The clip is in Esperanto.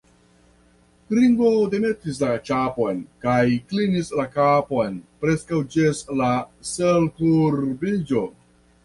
Ringo demetis la ĉapon kaj klinis la kapon preskaŭ ĝis la selkurbiĝo.